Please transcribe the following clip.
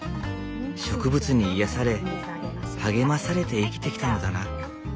「植物に癒やされ励まされて生きてきたのだな」。